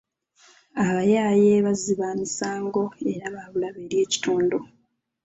Abayaaye bazzi ba misango era ba bulabe eri ekitundu.